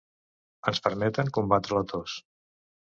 Ens permeten combatre la tos.